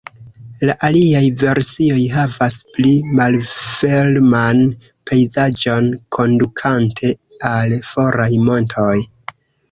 La aliaj versioj havas pli malferman pejzaĝon, kondukante al foraj montoj.